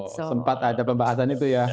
sempat ada pembahasan itu ya